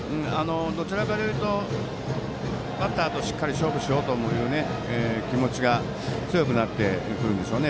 どちらかというとバッターとしっかり勝負しようという気持ちが強くなってくるんでしょうね。